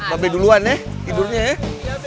babe duluan ya tidurnya ya